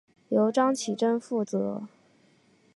由张启珍负责。